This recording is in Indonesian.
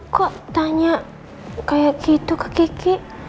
kok tanya kayak gitu ke kiki